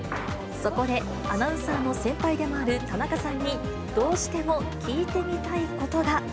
そこで、アナウンサーの先輩でもある田中さんに、どうしても聞いてみたいことが。